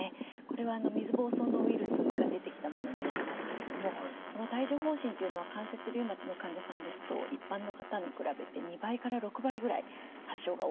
これは水ぼうそうのウイルスが出てきたものになりますけれどもこの帯状疱疹っていうのは関節リウマチの患者さんですと一般の方に比べて２倍から６倍ぐらい発症が多いというふうにいわれています。